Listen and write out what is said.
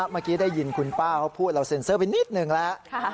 เมื่อกี้ได้ยินคุณป้าเขาพูดเราเซ็นเซอร์ไปนิดนึงแล้ว